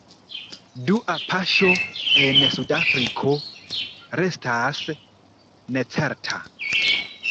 Dua paŝo en Sud-Afriko restas necerta.